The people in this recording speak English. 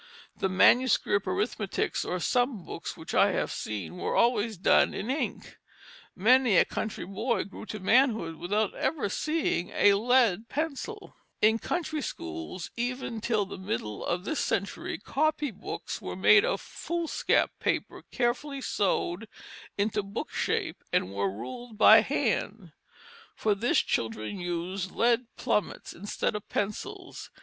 The manuscript arithmetics or "sum books" which I have seen were always done in ink. Many a country boy grew to manhood without ever seeing a lead pencil. [Illustration: Samuel Pemberton, Twelve Years Old, 1736] In country schools even till the middle of this century copy books were made of foolscap paper carefully sewed into book shape, and were ruled by hand. For this children used lead plummets instead of pencils.